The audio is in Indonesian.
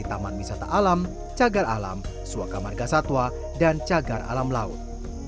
taman wisata alam cagar alam suaka marga satwa dan cagar alam laut